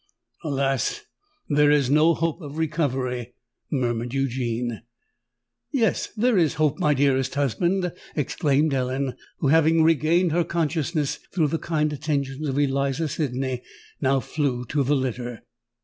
"Alas! there is no hope of recovery!" murmured Eugene. "Yes—there is hope, my dearest husband!" exclaimed Ellen, who, having regained her consciousness through the kind attentions of Eliza Sydney, now flew to the litter.